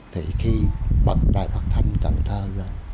thì khi bật đài phát thanh cần thơ ra